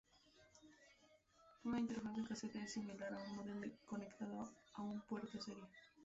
Una interfaz de casete es similar a un módem conectado a un puerto serie.